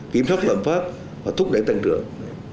kiểm soát luận pháp và thúc đẩy tăng trưởng